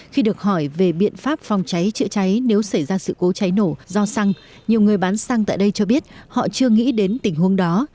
khi được hỏi về biện pháp phòng cháy chữa cháy nếu xảy ra sự cố cháy nổ do xăng nhiều người bán xăng tại đây cho biết họ chưa nghĩ đến tình huống đó